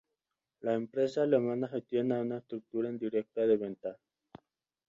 La empresa alemana gestiona a una estructura indirecta de ventas.